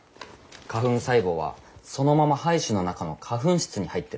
花粉細胞はそのまま胚珠の中の花粉室に入ってる。